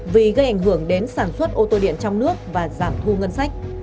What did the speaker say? vì gây ảnh hưởng đến sản xuất ô tô điện trong nước và giảm thu ngân sách